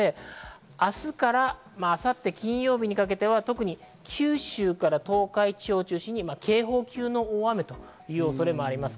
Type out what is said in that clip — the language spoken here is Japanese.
明日から明後日、金曜日にかけては特に九州から東海地方を中心に警報級の大雨という恐れもあります。